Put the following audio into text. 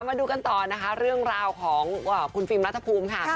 มาดูกันต่อนะคะเรื่องราวของคุณฟิล์มรัฐภูมิค่ะ